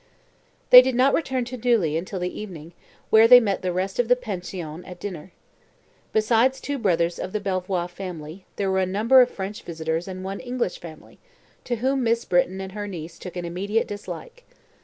They did not return to Neuilly until the evening, where they met the rest of the pension at dinner. Besides two brothers of the Belvoir family, there were a number of French visitors and one English family, to whom Miss Britton and her niece took an immediate dislike.